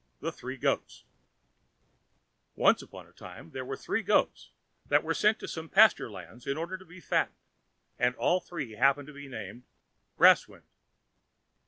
The Three Goats Once upon a time there were three goats that were sent to some pasture lands in order to be fattened, and all three happened to be named Brausewind.